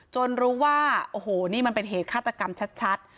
รู้ว่าโอ้โหนี่มันเป็นเหตุฆาตกรรมชัด